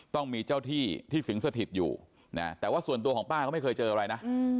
ต้องมีเจ้าที่ที่สิงสถิตอยู่นะแต่ว่าส่วนตัวของป้าก็ไม่เคยเจออะไรนะ